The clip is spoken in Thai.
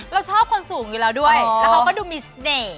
เราชอบคนสูงอยู่แล้วด้วยแล้วเขาก็ดูมีเสน่ห์